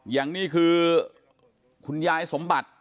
อย่างนี้คือคุณยายสมบัติ